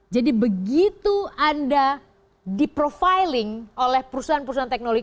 jadi begitu anda di profiling oleh perusahaan perusahaan teknologi